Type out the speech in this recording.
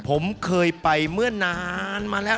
ผมเคยไปเมื่อนานมาแล้ว